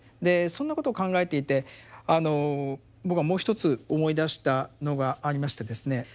そんなことを考えていて僕はもう一つ思い出したのがありましてですね。